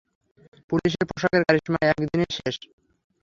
পুলিশের পোশাকের কারিশমা একদিনেই শেষ?